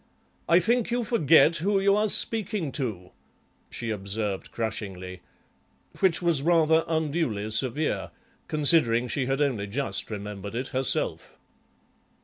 'I think you forget who you are speaking to,' she observed crushingly, which was rather unduly severe, considering she had only just remembered it herself."